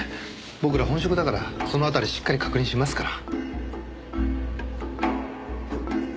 僕ら本職だからその辺りしっかり確認しますから。